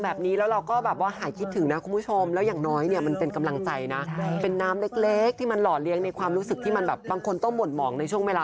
ไปย้อนคืนไปสู่ที่ตะวันออก